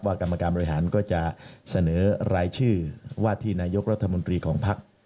กรรมการบริหารก็จะเสนอรายชื่อว่าที่นายกรัฐมนตรีของภักดิ์